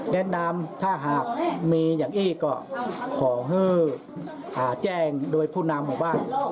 แนะนำถ้ามีอย่างอลิก์ขอฮือแจ้งโดยผู้นำบ้าน